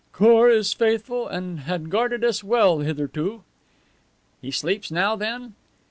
"Khor is faithful and had guarded us well hitherto." "He sleeps now, then?"